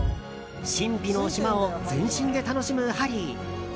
神秘の島を全身で楽しむハリー。